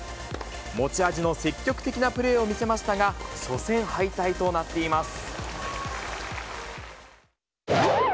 持ち味の積極的なプレーを見せましたが、初戦敗退となっています。